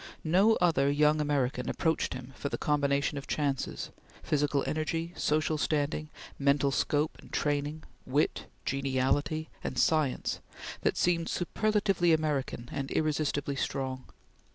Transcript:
No other young American approached him for the combination of chances physical energy, social standing, mental scope and training, wit, geniality, and science, that seemed superlatively American and irresistibly strong.